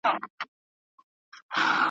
له ګوښې یې ښایسته مرغۍ څارله ,